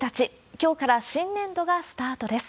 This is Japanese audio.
きょうから新年度がスタートです。